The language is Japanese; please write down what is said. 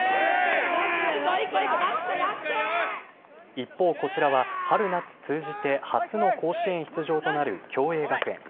一方、こちらは春夏通じて初の甲子園出場となる共栄学園。